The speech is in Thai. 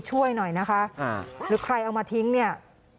ช่วยหน่อยนะคะหรือใครเอามาทิ้งเนี่ย